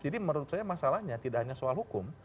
jadi menurut saya masalahnya tidak hanya soal hukum